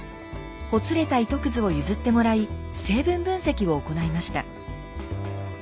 ほつれた糸くずを譲ってもらい成分分析を行いました。